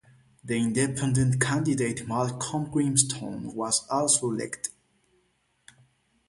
The independent candidate Malcolm Grimston was also elected.